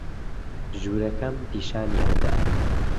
ژوورەکەم پیشانی ئەو دا.